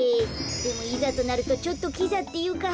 でもいざとなるとちょっとキザっていうか